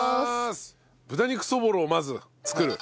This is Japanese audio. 豚肉そぼろをまず作る。